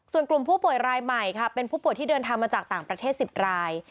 ส่วนกลุ่มผู้ป่วยรายใหม่ค่ะเป็นผู้ป่วยที่เดินทางมาจากต่างประเทศ๑๐ราย